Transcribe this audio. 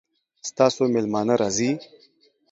ستاسو میلمانه راځي؟